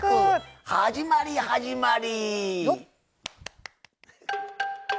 始まり、始まり！